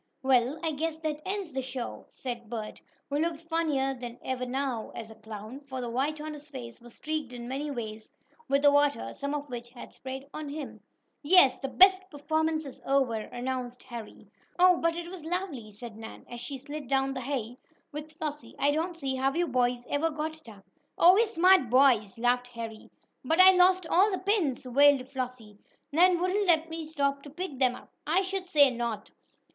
"Well, I guess that ends the show," said Bert, who looked funnier than ever now, as a clown, for the white on his face was streaked in many ways with the water, some of which had sprayed on him. "Yes, the performance is over," announced Harry. "Oh, but it was lovely!" said Nan, as she slid down the hay with Flossie. "I don't see how you boys ever got it up." "Oh, we're smart boys!" laughed Harry. "But I lost all the pins!" wailed Flossie. "Nan wouldn't let me stop to pick them up!" "I should say not!